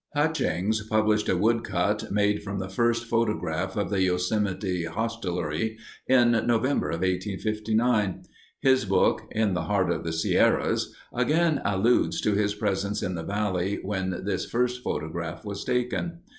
Hutchings published a woodcut made from the first photograph of the Yosemite hostelry in November of 1859; his book, In the Heart of the Sierras, again alludes to his presence in the valley when this first photograph was taken.